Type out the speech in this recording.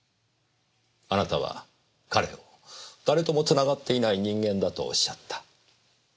あなたは彼を誰ともつながっていない人間だとおっしゃった。